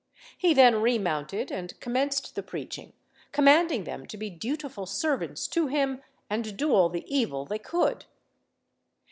He then remounted and commenced the preaching, commanding them to be dutiful servants to him and do all the evil they could.